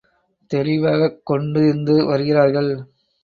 தெளிவாகக் கொண்டிருந்து வருகிறார்கள்.